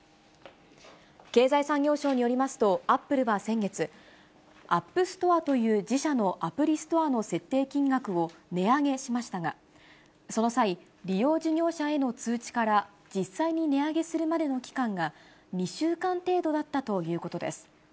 経済産業省によりますと、アップルは先月、アップストアという自社のアプリストアの設定金額を値上げしましたが、その際、利用事業者への通知から、実際に値上げするまでの期間が２週間程度だったということです。